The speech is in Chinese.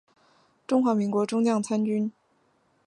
中华民国中将参军。